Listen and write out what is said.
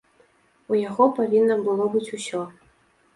У яго павінна было быць усё.